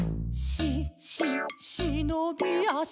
「し・し・しのびあし」